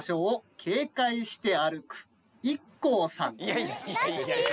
いやいや。